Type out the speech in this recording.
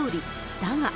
だが。